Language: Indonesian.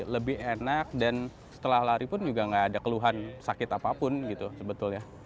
lebih enak dan setelah lari pun juga nggak ada keluhan sakit apapun gitu sebetulnya